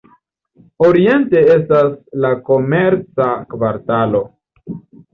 Oriente estas la komerca kvartalo.